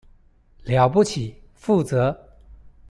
了不起，負責